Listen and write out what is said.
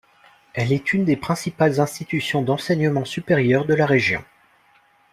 Elle est une des principales institutions d'enseignement supérieur de la région.